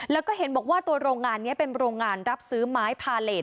แล้วก็เห็นบอกว่าตัวโรงงานนี้เป็นโรงงานรับซื้อไม้พาเลส